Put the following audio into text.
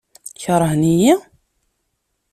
Keṛhen-iyi?